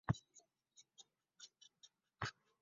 এই বিস্ফোরণের নাম দেওয়া হল বিগ ব্যাং।